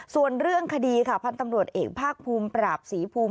ส่วนเรื่องคดีค่ะพันธ์ตำรวจเอกภาคภูมิปราบศรีภูมิ